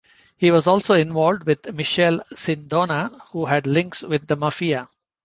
He was also involved with Michele Sindona, who had links with the Mafia.